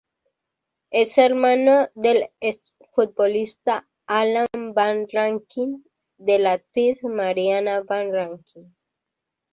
Es hermano del ex futbolista Allan Van Rankin, de la actriz Mariana Van Rankin.